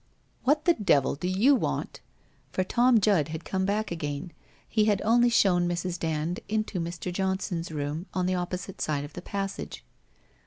What the devil do you want?' For Tom Judd had come back again, ne had only shown Mrs. Dand into Mr. Johnson's room on the oppo site ide of the passage.